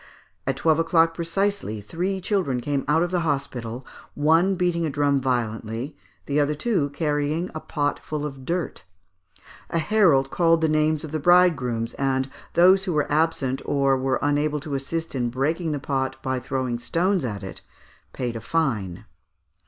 At twelve o'clock precisely, three children came out of the hospital, one beating a drum violently, the other two carrying a pot full of dirt; a herald called the names of the bride grooms, and those who were absent or were unable to assist in breaking the pot by throwing stones at it, paid a fine.